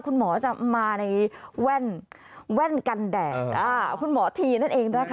คุณหมอจะมาในแว่นกันแดดคุณหมอทีนั่นเองนะคะ